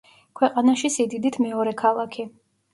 ქვეყანაში სიდიდით მეორე ქალაქი.